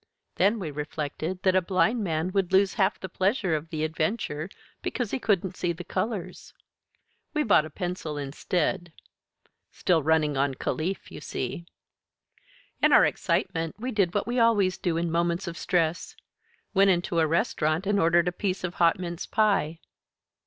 Then we reflected that a blind man would lose half the pleasure of the adventure because he couldn't see the colors. We bought a pencil instead. Still running on Caliph, you see. In our excitement we did what we always do in moments of stress went into a restaurant and ordered a piece of hot mince pie.